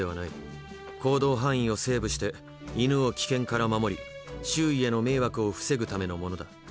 行動範囲をセーブして犬を危険から守り周囲への迷惑を防ぐためのものだ。